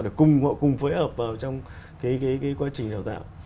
để cùng họ cùng phối hợp vào trong cái quá trình đào tạo